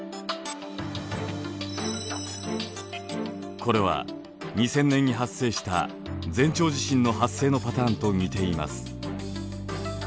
これは２０００年に発生した前兆地震の発生のパターンと似ています。